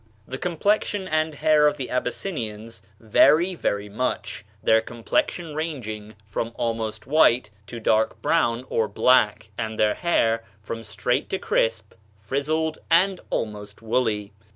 "The complexion and hair of the Abyssinians vary very much, their complexion ranging from almost white to dark brown or black, and their hair from straight to crisp, frizzled, and almost woolly."